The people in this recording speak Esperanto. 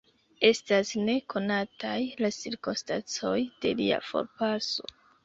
Estas ne konataj la cirkonstancoj de lia forpaso.